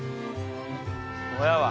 親は？